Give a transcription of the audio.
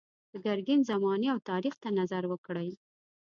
د ګرګین زمانې او تاریخ ته نظر وکړئ.